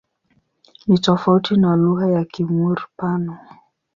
Ni tofauti na lugha ya Kimur-Pano.